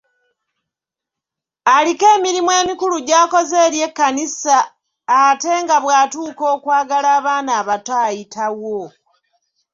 Aliko emirimu emikulu gy'akoze eri ekkanisa ate nga bw'atuuka okwagala abaana abato ayitawo.